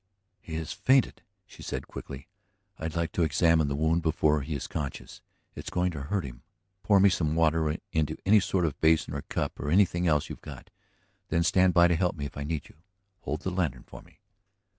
"He has fainted," she said quickly. "I'd like to examine the wound before he is conscious; it's going to hurt him. Pour me some water into any sort of basin or cup or anything else you've got here. Then stand by to help me if I need you. ... Hold the lantern for me."